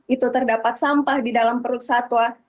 itu terdapat sampah di dalam perut satwa